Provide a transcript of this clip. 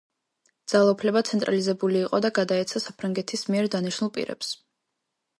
ძალაუფლება ცენტრალიზებული იყო და გადაეცა საფრანგეთის მიერ დანიშნულ პირებს.